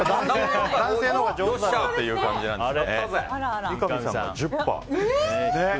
男性のほうが上手だろうって感じなんですね。